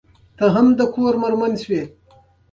جاذبه شیان ځمکې ته راکاږي